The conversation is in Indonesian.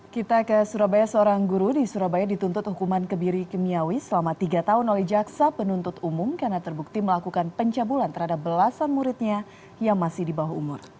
kita ke surabaya seorang guru di surabaya dituntut hukuman kebiri kimiawi selama tiga tahun oleh jaksa penuntut umum karena terbukti melakukan pencabulan terhadap belasan muridnya yang masih di bawah umur